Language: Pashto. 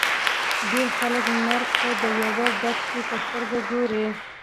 ډېر خلک مرګ ته د یوه بد شي په سترګه ګوري